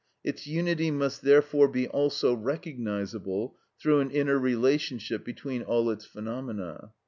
Its unity must therefore be also recognisable through an inner relationship between all its phenomena.